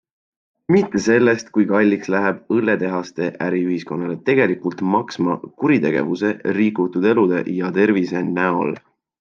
Mitte sellest, kui kalliks läheb õlletehaste äri ühiskonnale tegelikult maksma kuritegevuse, rikutud elude ja tervise näol.